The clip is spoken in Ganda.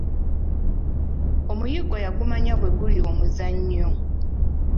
Omuyiggo yagumanya bwe guli omuzannyo.